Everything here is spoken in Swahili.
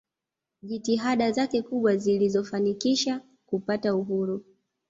jitihada zake kubwa zilizo fanikisha kupata uhuru